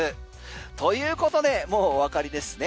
ということでもうおわかりですね。